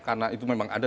karena itu memang ada